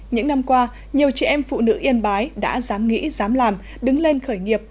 những năm qua nhiều chị em phụ nữ yên bái đã dám nghĩ dám làm đứng lên khởi nghiệp